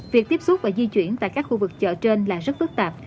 việc tiếp xúc và di chuyển tại các khu vực chợ trên là rất phức tạp